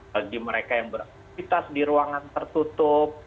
bagi mereka yang beraktivitas di ruangan tertutup